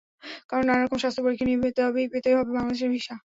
কারণ, নানা রকম স্বাস্থ্য পরীক্ষা দিয়ে তবেই পেতে হবে বাংলাদেশের ভিসা।